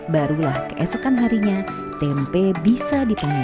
barulah keesokan harinya tempe bisa dipanen